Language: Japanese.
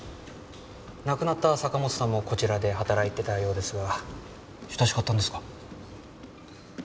亡くなった坂本さんもこちらで働いてたようですが親しかったんですか？